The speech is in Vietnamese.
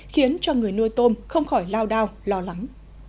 khiến cho người nuôi tôm không khỏi lao đao lo lắng